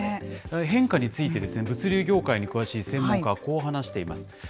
変化について、物流業界に詳しい専門家はこう話しています。